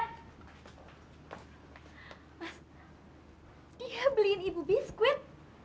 mas dia beliin ibu biskuit